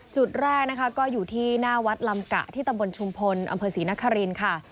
จุดแรกนะคะก็อยู่ที่หน้าวัดลำกะที่ตำบลชุมพลอำเภอศรีนครินค่ะ